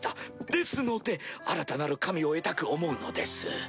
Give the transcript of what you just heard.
ですので新たなる神を得たく思うのです。